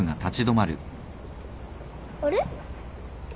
あれ？